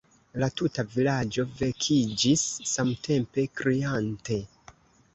La tuta vilaĝo vekiĝis samtempe, kriante.